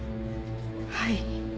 はい。